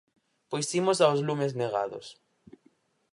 Pois imos aos lumes negados.